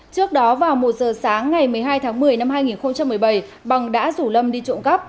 trước đó vào một giờ sáng ngày một mươi hai tháng một mươi năm hai nghìn một mươi bảy bằng đã rủ lâm đi trộm cắp